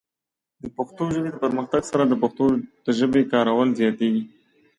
د پښتو ژبې د پرمختګ سره، د پښتنو د ژبې کارول زیاتېږي.